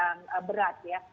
yang berat ya